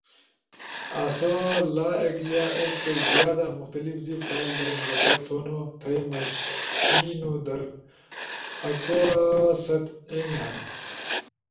آسو لا ایک یا ایک کئی زیاد مختلف زیب فائل در مرتب تھونو، تھئی مݜینو درکواست اینی ہنو: